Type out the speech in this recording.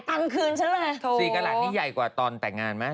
โถสี่กอลัจนี่ใหญ่กว่าตอนแต่งงานไหม